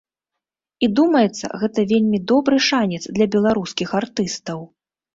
І, думаецца, гэта вельмі добры шанец для беларускіх артыстаў.